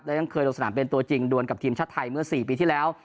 และยังเคยลงสนามเป็นตัวจริงดวนกับทีมชาติไทยเมื่อ๔ปีที่แล้ว